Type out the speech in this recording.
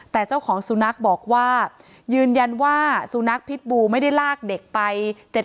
แต่เจ้าของสุนัขบอกว่ายืนยันว่าสุนัขพิษบูไม่ได้ลากเด็กไป